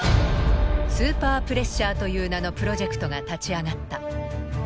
“スーパープレッシャー”という名のプロジェクトが立ち上がった。